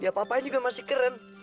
dia apa apain juga masih keren